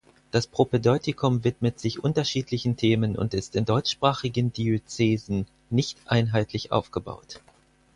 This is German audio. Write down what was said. Das Propädeutikum widmet sich unterschiedlichen Themen und ist in deutschsprachigen Diözesen nicht einheitlich aufgebaut.